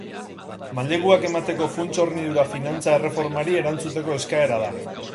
Maileguak emateko funts-hornidura finantza erreformari erantzuteko eskaera da.